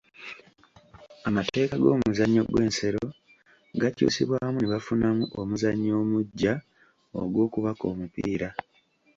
Amateeka g’omuzannyo gw’ensero gaakyusibwamu ne bafunamu omuzannyo omuggya ogw’okubaka omupiira.